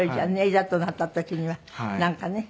いざとなった時にはなんかね